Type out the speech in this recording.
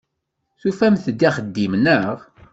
Tufamt-d axeddim, naɣ?